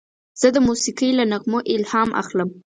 زه د موسیقۍ له نغمو الهام اخلم.